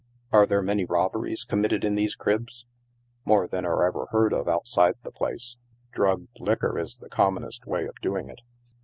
" Are there many robberies committed in these cribs ?"" More than are ever heard of outside the place ; drugged liquor is the commonest way of doing it.